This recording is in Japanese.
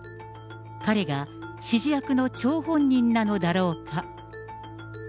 彼が指示役の張本人なのだろうか。